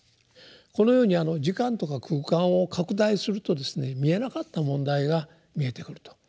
このように時間とか空間を拡大するとですね見えなかった問題が見えてくると。